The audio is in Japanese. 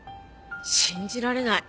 信じられない。